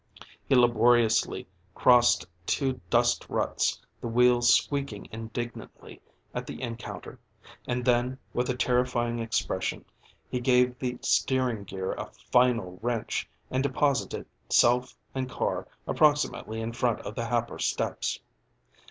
He laboriously crossed two dust ruts, the wheels squeaking indignantly at the encounter, and then with a terrifying expression he gave the steering gear a final wrench and deposited self and car approximately in front of the Happer steps.